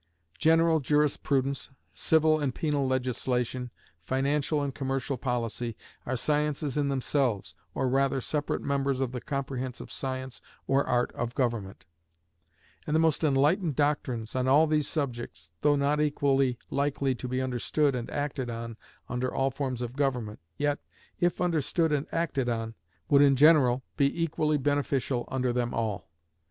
General jurisprudence, civil and penal legislation, financial and commercial policy, are sciences in themselves, or, rather, separate members of the comprehensive science or art of government; and the most enlightened doctrines on all these subjects, though not equally likely to be understood and acted on under all forms of government, yet, if understood and acted on, would in general be equally beneficial under them all.